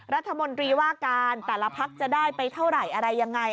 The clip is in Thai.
รัฐมนตรีว่าการแต่ละพักจะได้ไปเท่าไหร่อะไรยังไง